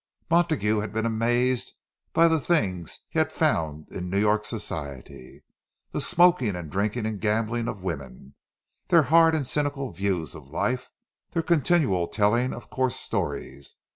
Montague had been amazed by the things he had found in New York Society; the smoking and drinking and gambling of women, their hard and cynical views of life, their continual telling of coarse stories.